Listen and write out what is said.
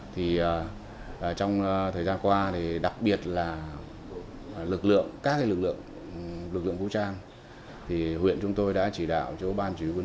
trong thời gian qua đặc biệt là các lực lượng lực lượng vũ trang huyện chúng tôi đã chỉ đạo cho ban chủ yếu quân